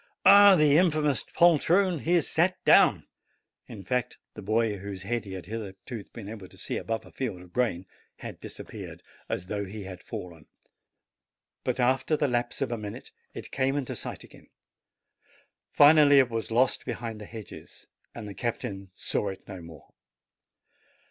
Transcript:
"Ah, the infamous poltroon! he has sat down!" In fact, the boy, whose head he had hitherto been able to see above a field of grain, had disappeared, as though he had fallen; but, after the lapse of a minute, it came into sight again; finally, it was lost behind the hedges, and the captain saw it no more.